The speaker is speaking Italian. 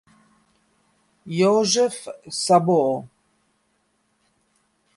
József Szabó